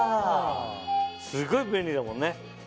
すごい便利だもんねやっぱり。